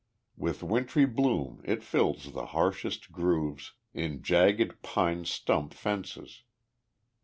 With wintry bloom it fills the harshest grooves In jagged pine stump fences.